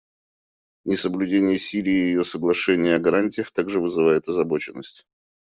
Несоблюдение Сирией ее соглашения о гарантиях также вызывает озабоченность.